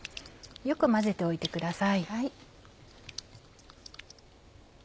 よく混ぜておいてください。